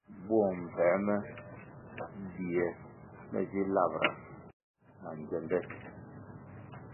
Bwong mbvuē me bie ne zi labʼra na ngyende.